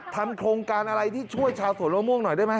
ทำโครงการอะไรที่ช่วยชาวสวนมะม่วงหน่อยได้ไหม